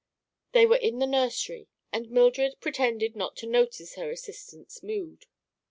They were in the nursery and Mildred pretended not to notice her assistant's mood.